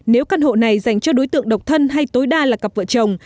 nếu căn hộ này dành cho đối tượng độc thân hay tối đa là cặp vợ chồng